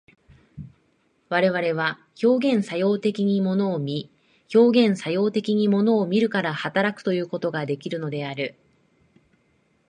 我々は表現作用的に物を見、表現作用的に物を見るから働くということができるのである。